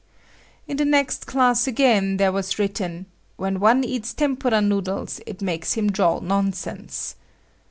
In the next class again there was written: "When one eats tempura noodles it makes him drawl nonsense."